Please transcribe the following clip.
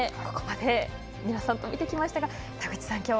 ここまで皆さんと見てきましたが田口さん